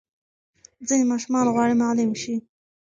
ځینې ماشومان غواړي معلم شي.